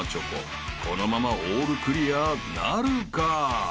［このままオールクリアなるか？］